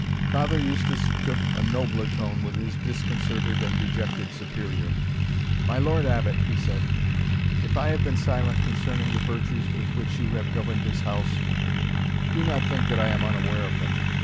Father Eustace took a nobler tone with his disconcerted and dejected Superior. "My Lord Abbot," he said, "if I have been silent concerning the virtues with which you have governed this house, do not think that I am unaware of them.